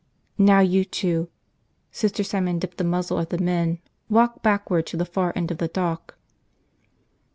"Now you two," Sister Simon dipped the muzzle at the men, "walk backward to the far end of the dock."